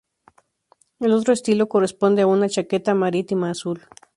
El otro estilo corresponde a una chaqueta marítima azul.